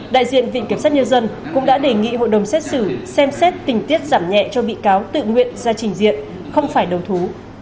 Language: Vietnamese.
đại diện viện kiểm sát nhân dân cũng đã đề nghị hội đồng xét xử xem xét tình tiết giảm nhẹ cho bị cáo tự nguyện ra trình diện không phải đầu thú